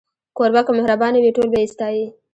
کوربه که مهربانه وي، ټول به يې ستایي.